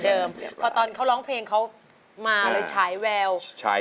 เพลงที่สองนะครับมูลค่าสองหมื่นบาท